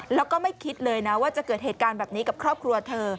แล้วก็ไม่คิดเลยนะว่าจะเกิดเหตุการณ์แบบนี้กับครอบครัวเธอ